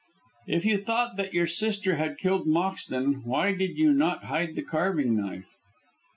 "If you thought that your sister had killed Moxton, why did you not hide the carving knife?"